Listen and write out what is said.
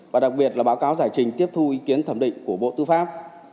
và đặc biệt là báo cáo giải trình tiếp thu ý kiến thẩm định của bộ tư pháp